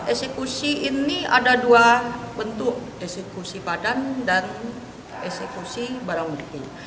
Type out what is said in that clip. eksekusi ini ada dua bentuk eksekusi badan dan eksekusi barang bukti